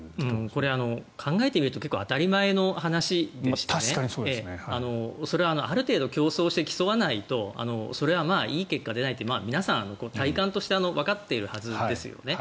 これ考えてみると当たり前の話でしてそれはある程度、競争して競わないとそれはいい結果が出ないって皆さん、体感としてわかっているはずですよね。